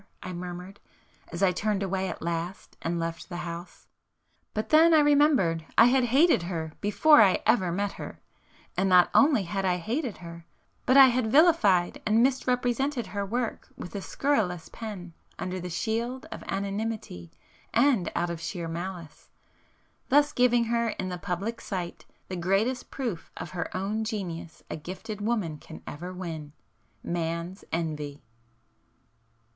I murmured, as I turned away at last and left the house. But then I remembered I had hated her before I ever met her,—and not only had I hated her, but I had vilified and misrepresented her work with a scurrilous pen under the shield of anonymity, and out of sheer malice,—thus giving her in the public sight, the greatest proof of her own genius a gifted woman can ever win,—man's envy!